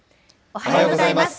おはようございます。